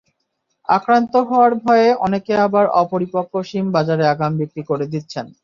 আক্রান্ত হওয়ার ভয়ে অনেকে আবার অপরিপক্ব শিম বাজারে আগাম বিক্রি করে দিচ্ছেন।